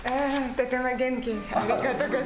とても元気。